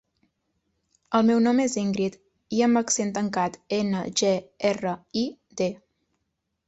El meu nom és Íngrid: i amb accent tancat, ena, ge, erra, i, de.